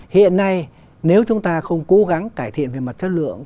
hiện nay nếu chúng ta không cố gắng cải thiện về mặt chất lượng